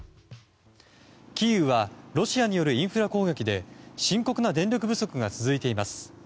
キーウはロシアによるインフラ攻撃で深刻な電力不足が続いています。